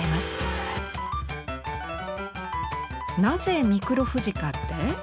なぜ「ミクロ富士」かって？